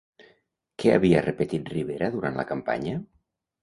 Què havia repetit Rivera durant la campanya?